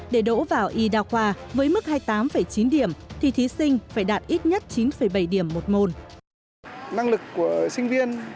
để đỗ vào y đào khoa với mức hai mươi tám chín điểm thì thí sinh phải đạt ít nhất chín bảy điểm một môn